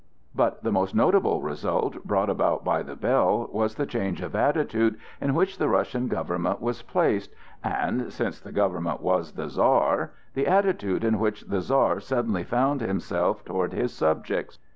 But the most notable result brought about by "The Bell" was the change of attitude in which the Russian government was placed, and (since the government was the Czar) the attitude in which the Czar suddenly found himself toward his subjects.